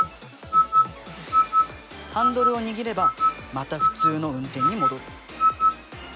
ハンドルを握ればまた普通の運転に戻る。